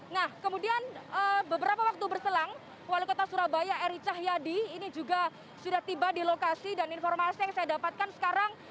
nah kemudian beberapa waktu berselang wali kota surabaya eri cahyadi ini juga sudah tiba di lokasi dan informasi yang saya dapatkan sekarang